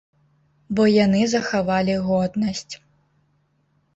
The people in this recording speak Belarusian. Бо яны захавалі годнасць.